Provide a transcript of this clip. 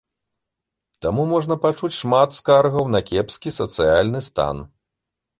Таму можна пачуць шмат скаргаў на кепскі сацыяльны стан.